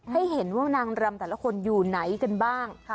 ให้เห็นว่านางรำแต่ละคนอยู่ไหนกันบ้าง